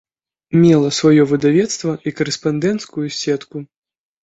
Мела сваё выдавецтва і карэспандэнцкую сетку.